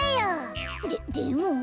ででも。